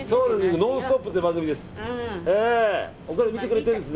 「ノンストップ！」っていう番組です。